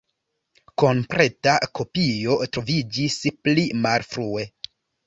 Kompleta kopio troviĝis pli malfrue.